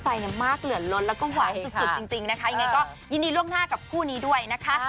ในทุกแก้มุมของคนที่ใช้ชีวิตคู่ด้วย